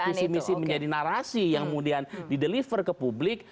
mengemas visi misi menjadi narasi yang kemudian di deliver ke publik